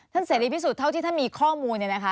ท่านเสดีพิสูจน์เท่าที่ท่านมีข้อมูลเนี่ยนะคะ